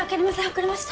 遅れました。